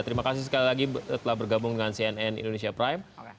terima kasih sekali lagi telah bergabung dengan cnn indonesia prime